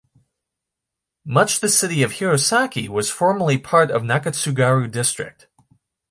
Much the city of Hirosaki was formerly part of Nakatsugaru District.